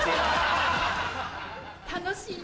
楽しい！